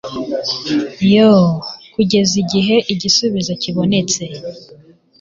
yoo, kugeza igihe igisubizo kibonetse